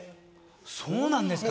そうなんですか。